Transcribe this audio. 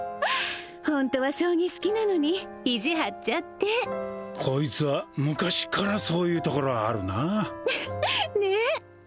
ホントは将棋好きなのに意地張っちゃってこいつは昔からそういうところあるなねえ